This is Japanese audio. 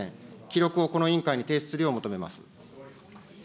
記録をこの委員会に提出するよう求めます。